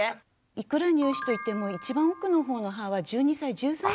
いくら乳歯といっても一番奥のほうの歯は１２歳１３歳まで。